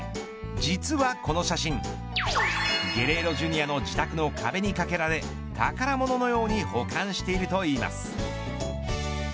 実はこの写真ゲレーロＪｒ．の自宅の壁に掛けられ宝物のように保管しているといいます。